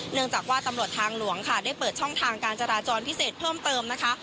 เนื่องจากว่าตำรวจทางหลวงค่ะได้เปิดช่องทางการจราจรพิเศษเพิ่มเติมนะคะ